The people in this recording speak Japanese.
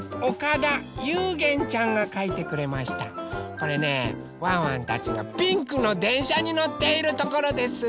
これねワンワンたちがピンクのでんしゃにのっているところです。